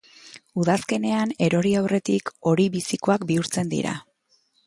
Udazkenean erori aurretik hori bizikoak bihurtzen dira.